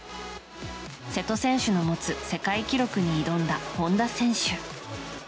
瀬戸選手の持つ世界記録に挑んだ本多選手。